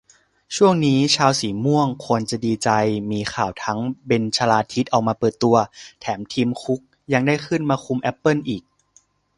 ช่วงนี้ชาวสีม่วงควรจะดีใจ มีข่าวทั้งเบนชลาทิศออกมาเปิดตัว แถมทิมคุกยังได้ขึ้นมาคุมแอปเปิ้ลอีก